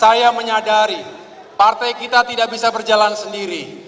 saya menyadari partai kita tidak bisa berjalan sendiri